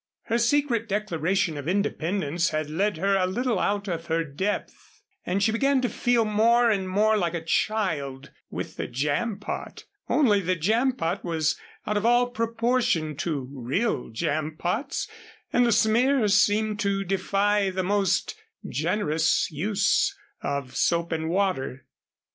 Her secret declaration of independence had led her a little out of her depth, and she began to feel more and more like the child with the jam pot only the jam pot was out of all proportion to real jam pots and the smears seemed to defy the most generous use of soap and water.